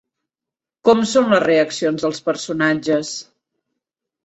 Com són les reaccions dels personatges?